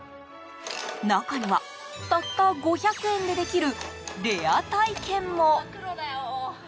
中には、たった５００円でできるレア体験も。